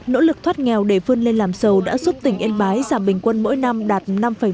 nỗ lực thoát nghèo để vươn lên làm dầu đã giúp tỉnh yên bái giảm bình quân mỗi năm đạt năm một mươi sáu